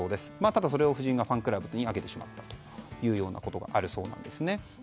ただ、それを夫人がファンクラブに挙げてしまったということがあるそうです。